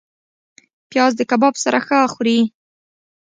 پیاز د کباب سره ښه خوري